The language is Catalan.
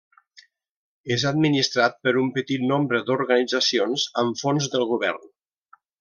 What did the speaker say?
És administrat per un petit nombre d'organitzacions amb fons del govern.